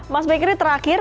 mas bekri terakhir